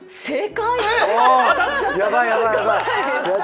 正解！